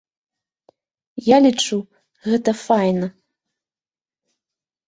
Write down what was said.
Я лічу, гэта файна.